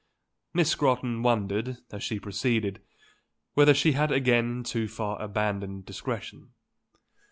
Miss Scrotton wondered, as she proceeded, whether she had again too far abandoned discretion.